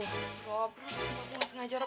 rob sumpah aku gak sengaja rob